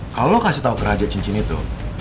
kalau lo kasih tau ke raja cincin itu